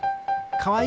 かわいい！